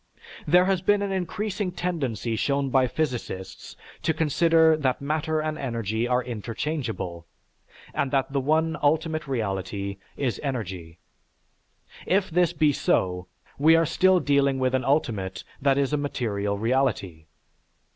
There has been an increasing tendency shown by physicists to consider that matter and energy are interchangeable, and that the one ultimate reality is energy. If this be so, we are still dealing with an ultimate that is a material reality.